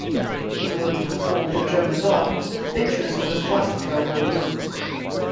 In order to conform to German law, depictions of the swastika were removed.